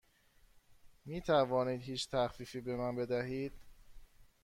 می توانید هیچ تخفیفی به من بدهید؟